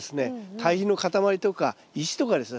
堆肥の塊とか石とかですね